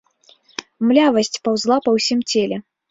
Млявасць паўзла па ўсім целе.